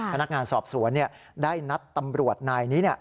พนักงานสอบสวนได้นัดตำรวจนายนี้